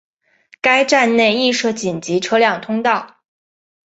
该站内亦设紧急车辆通道。